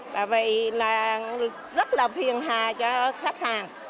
và vậy là rất là phiền hà cho khách hàng